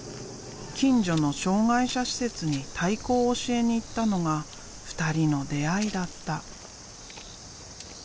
近所の障害者施設に太鼓を教えに行ったのが２人の出会いだった。